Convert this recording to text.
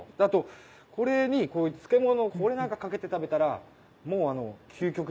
あとこれにこういう漬物これなんかかけて食べたらもう。